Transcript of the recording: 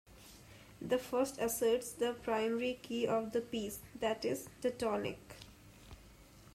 The first asserts the primary key of the piece, that is, the tonic.